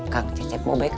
kang cecep mau back up